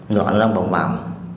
ngọn lăng bồng bào